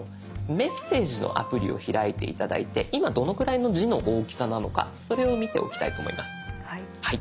メッセージのアプリを開いて頂いて今どのくらいの字の大きさなのかそれを見ておきたいと思います。